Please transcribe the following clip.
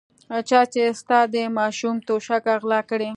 چا چې ستا د ماشوم توشکه غلا کړې.